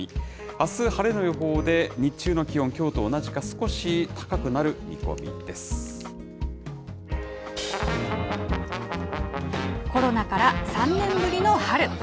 あす、晴れの予報で、日中の気温、きょうと同じか少し高くなる見込コロナから３年ぶりの春。